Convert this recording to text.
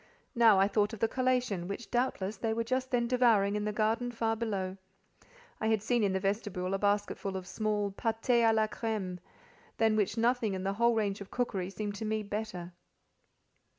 Now I thought of the collation, which doubtless they were just then devouring in the garden far below. (I had seen in the vestibule a basketful of small pâtés à la crême, than which nothing in the whole range of cookery seemed to me better).